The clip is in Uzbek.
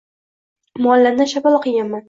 muallimdan shapaloq yeganman.